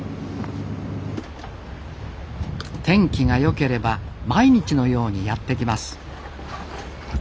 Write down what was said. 天気が良ければ毎日のようにやって来ます。